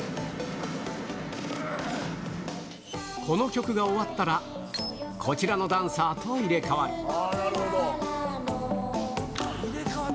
この曲が終わったら、こちらのダンサーと入れ代わる。